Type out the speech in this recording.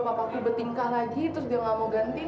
papaku bertingkah lagi terus dia gak mau gantiin